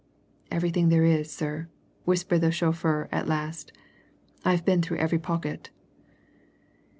"Everything there is, sir," whispered the chauffeur at last. "I've been through every pocket."